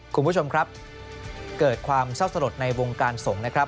คุณผู้ชมครับเกิดความเศร้าสลดในวงการสงฆ์นะครับ